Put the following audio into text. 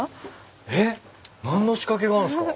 えっ？何の仕掛けがあるんすか？